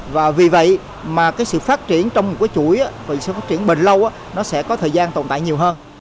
và vì vậy mà cái sự phát triển trong một cái chuỗi về sự phát triển bền lâu nó sẽ có thời gian tồn tại nhiều hơn